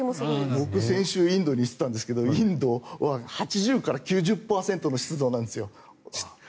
僕、先週インドに行っていたんですがインドは８０％から９０％なんですよ。